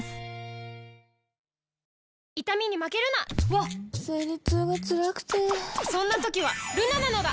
わっ生理痛がつらくてそんな時はルナなのだ！